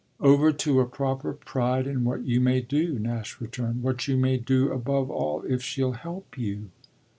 "Over to a proper pride in what you may do," Nash returned "what you may do above all if she'll help you."